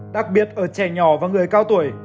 đặc biệt ở trẻ nhỏ và người cao tuổi